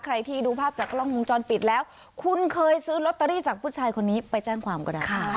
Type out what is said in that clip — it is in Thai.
ใครที่ดูภาพจากกล้องวงจรปิดแล้วคุณเคยซื้อลอตเตอรี่จากผู้ชายคนนี้ไปแจ้งความก็ได้